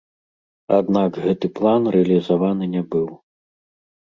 Аднак гэты план рэалізаваны не быў.